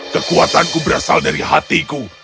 kekuatanku berasal dari hatiku